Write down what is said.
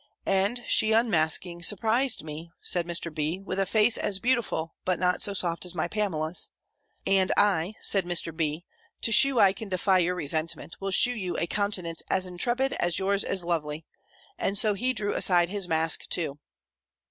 "And she unmasking surprised me," said Mr. B., "with a face as beautiful, but not so soft as my Pamela's." "And I," said Mr. B., "to shew I can defy your resentment, will shew you a countenance as intrepid as yours is lovely." And so he drew aside his mask too.